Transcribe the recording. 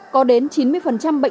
có đến chín mươi bệnh nhân